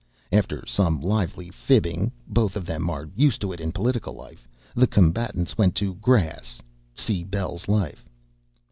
After some lively fibbing (both of them are used to it in political life,) the combatants went to grass. (See "Bell's Life.")